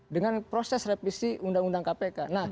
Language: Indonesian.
dengan proses revisi undang undang kpk